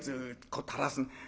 こう垂らす。